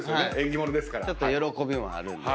ちょっと喜びもあるんで。